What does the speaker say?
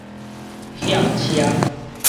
喊車